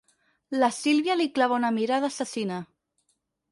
La Sílvia li clava una mirada assassina.